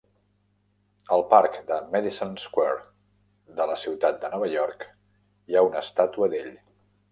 Al parc de Madison Square de la ciutat de Nova York hi ha una estàtua d'ell.